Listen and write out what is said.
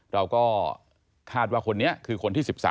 เราก็คาดว่าคนนี้คือคนที่๑๓